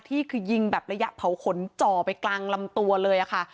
ที่คือยิงแบบระยะเผาขนจ่อไปกลางลำตัวเลยค่ะ